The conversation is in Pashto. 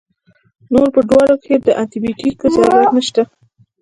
نو پۀ دواړو کښې د انټي بائيوټک ضرورت نشته